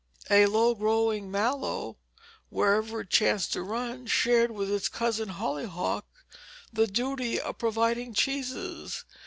A low growing mallow, wherever it chanced to run, shared with its cousin hollyhock the duty of providing cheeses.